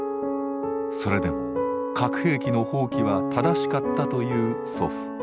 「それでも核兵器の放棄は正しかった」と言う祖父。